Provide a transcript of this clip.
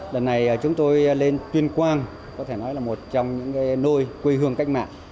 lần này chúng tôi lên tuyên quang có thể nói là một trong những nôi quê hương cách mạng